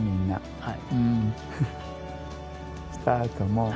はい。